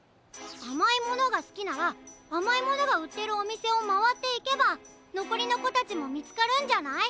あまいものがすきならあまいものがうってるおみせをまわっていけばのこりのこたちもみつかるんじゃない？